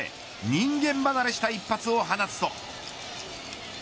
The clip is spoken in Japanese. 人間離れした一発を放つと。